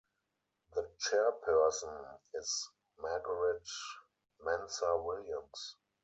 The chairperson is Margaret Mensah-Williams.